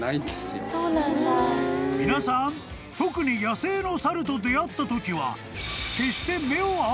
［皆さん特に野生の猿と出合ったときは決して］